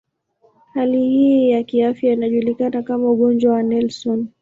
Hali hii ya kiafya inajulikana kama ugonjwa wa Nelson.